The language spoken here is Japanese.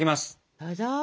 どうぞ！